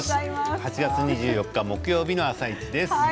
８月２４日木曜日の「あさイチ」です。